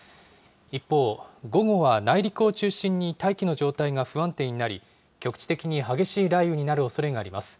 一方、午後は内陸を中心に大気の状態が不安定になり、局地的に激しい雷雨になるおそれがあります。